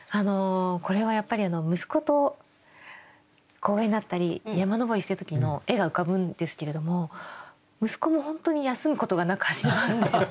これはやっぱり息子と公園だったり山登りしてる時の絵が浮かぶんですけれども息子も本当に休むことがなく走り回るんですよ。